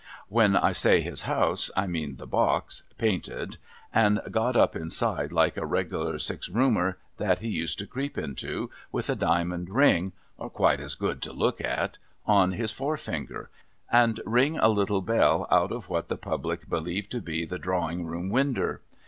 When I say his house, I mean the box, painted and got up outside like a reg'lar six roomer, that he used to creep into, with a diamond ring (or quite as good to look at) on his forefinger, and ring a little bell out of what the Public believed to be the Drawing room winder.